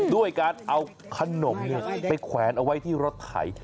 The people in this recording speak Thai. ด้วยการเอาขนมไปแขวนเอาไว้ที่รถไถ